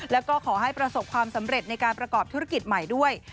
แล้วก็ขอให้ประสบความสำเร็จในการประกอบธุรกิจใหม่ด้วย